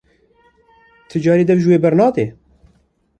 Ti carî dev ji wê bernede!